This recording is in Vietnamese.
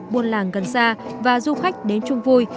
buôn làng gần xa và du khách đến chung vui